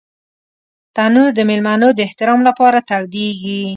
تنور د مېلمنو د احترام لپاره تودېږي